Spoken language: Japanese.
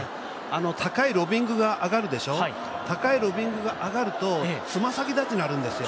高いロビングが上がるでしょ、高いロビングが上がると爪先立ちになるんですよ。